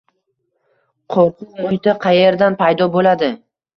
Qo‘rquv muhiti qayerdan paydo bo‘ladi?